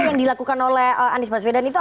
yang dilakukan oleh anies maswedan itu apa